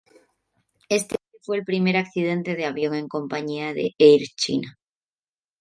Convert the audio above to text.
Este es fue el primer accidente de avión en compañía de Air China.